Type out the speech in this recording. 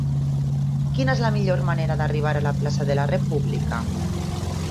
Quina és la millor manera d'arribar a la plaça de la República?